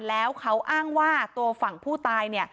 แล้วเขาอ้างว่าตัวฝั่งผู้ตายเนี่ย